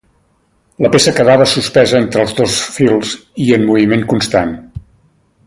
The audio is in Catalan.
La peça quedava suspesa entre els dos fils i en moviment constant.